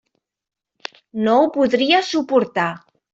No ho podria suportar.